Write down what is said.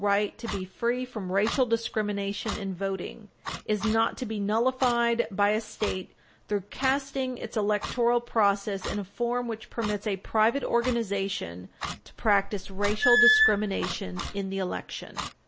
This grant to the people of the opportunity for choice is not to be nullified by a state through casting its electoral process in a form which permits a private organization to practice racial discrimination in the election.